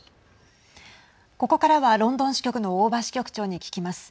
ここからはロンドン支局の大庭支局長に聞きます。